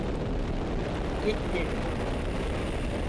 Git dedim!